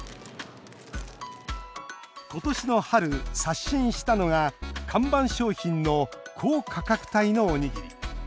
今年の春、刷新したのが看板商品の高価格帯のおにぎり。